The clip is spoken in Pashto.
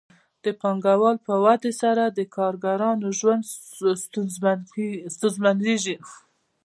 د پانګوال په ودې سره د کارګرانو ژوند ستونزمنېږي